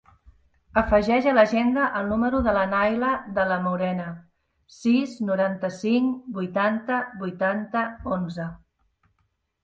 Afegeix a l'agenda el número de la Nayla De La Morena: sis, noranta-cinc, vuitanta, vuitanta, onze.